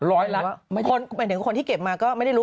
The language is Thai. ร้อยล้านไม่ได้รู้ว่าหมายถึงคนที่เก็บมาก็ไม่ได้รู้